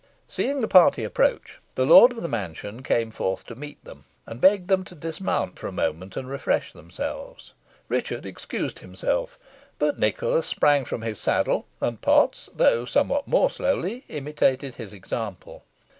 Seeing the party approach, the lord of the mansion came forth to meet them, and begged them to dismount for a moment and refresh themselves. Richard excused himself, but Nicholas sprang from his saddle, and Potts, though somewhat more slowly, imitated his example.